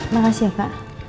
makasih ya kak